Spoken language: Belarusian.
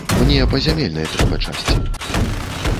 Мне па зямельнай трэба часці.